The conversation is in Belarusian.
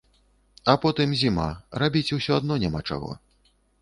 А потым зіма, рабіць усё адно няма чаго.